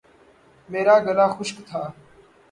میرا گلا خشک تھا